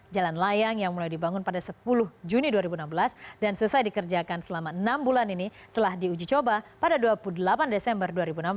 jalan layang yang mulai dibangun pada sepuluh juni dua ribu enam belas dan selesai dikerjakan selama enam bulan ini telah diuji coba pada dua puluh delapan desember dua ribu enam belas